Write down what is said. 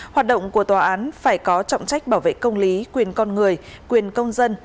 hoạt động của tòa án phải có trọng trách bảo vệ công lý quyền con người quyền công dân